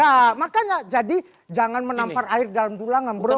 nah makanya jadi jangan menampar air dalam dulangan bro